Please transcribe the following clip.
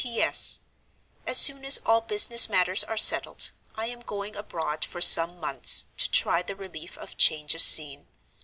"P. S.—As soon as all business matters are settled, I am going abroad for some months, to try the relief of change of scene.